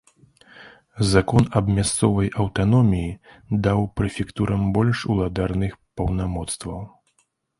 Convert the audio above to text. Закон аб мясцовай аўтаноміі даў прэфектурам больш уладарных паўнамоцтваў.